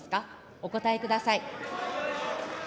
お答えください。